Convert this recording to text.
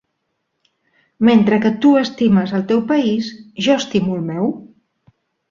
Mentre que tu estimes el teu país, jo estimo el meu.